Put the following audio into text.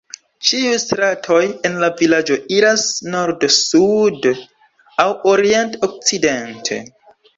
Ĉiuj stratoj en la vilaĝo iras nord-sude aŭ orient-okcidente.